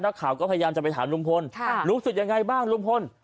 นักข่าวก็พยายามจะไปถามลุงพลรู้สึกยังไงบ้างลุงพล